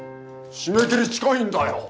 締め切り近いんだよ！